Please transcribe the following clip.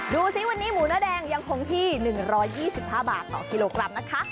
ดูสิวันนี้หมูเนื้อแดงยังคงที่๑๒๕บาทต่อกิโลกรัมนะคะ